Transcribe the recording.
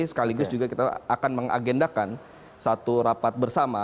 sekaligus juga kita akan mengagendakan satu rapat bersama antara jaksa agung dan ketua pusat yang pertama